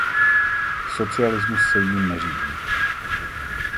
Socialismus se jím neřídí.